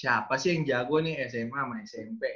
siapa sih yang jago nih sma sama smp